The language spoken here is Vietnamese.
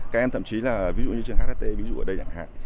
các em thậm chí là ví dụ như trường hht ví dụ ở đây nhãn hạc